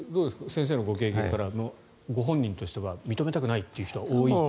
先生のご経験から本人としては認めたくないという人が多い？